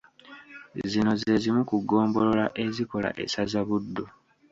Zino ze zimu ku ggombolola ezikola essaza Buddu.